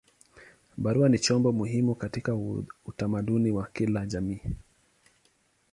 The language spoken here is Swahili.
Barua ni chombo muhimu katika utamaduni wa kila jamii.